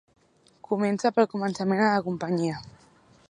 Comença pel començament a la companyia.